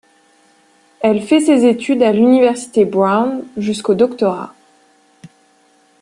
Elle fait ses études à l'université Brown jusqu'au doctorat.